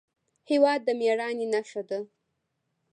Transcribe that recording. هېواد د مېړانې نښه ده.